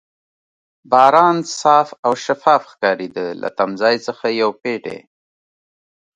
باران صاف او شفاف ښکارېده، له تمځای څخه یو پېټی.